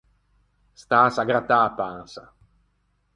Stâse à grattâ a pansa.